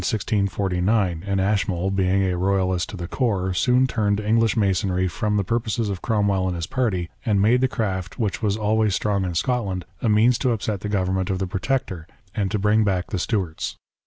was decapitated in 16 49, and Ashmole being a Kojalist to the core, soon turned English Masonry from the purposes of Cromwell and his party, and made the craft, which was always strong in Scotland, a means to upset the Government of the Protector and to bring back the Stuarts.